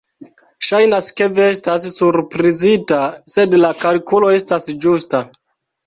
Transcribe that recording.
Ŝajnas, ke vi estas surprizita, sed la kalkulo estas ĝusta.